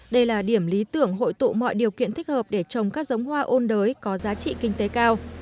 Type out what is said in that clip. đây là điểm lý tưởng hội tụ mọi điều kiện thích hợp để trồng các giống hoa ôn đới có giá trị kinh tế cao